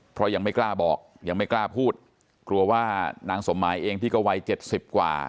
เพราะยังไม่กล้าบอกยังไม่กล้าพูดกลัวว่านางสมหมายเองที่ก็วัยเจ็ดสิบกว่า